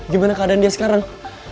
gimana keadaan dia sekarang